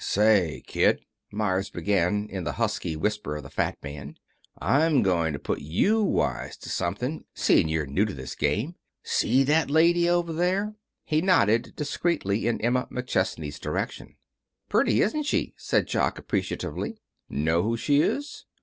"Say, kid," Meyers began, in the husky whisper of the fat man, "I'm going to put you wise to something, seeing you're new to this game. See that lady over there?" He nodded discreetly in Emma McChesney's direction. "Pretty, isn't she?" said Jock, appreciatively. "Know who she is?"